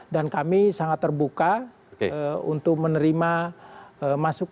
dan kami sangat terbuka untuk menerima masukan